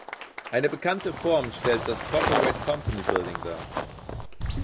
Eine bekannte Form stellt das Corporate Company Building dar.